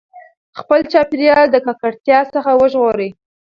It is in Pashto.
خپل چاپېریال د ککړتیا څخه وژغورئ.